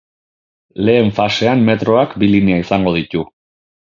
Lehen fasean metroak bi linea izango ditu.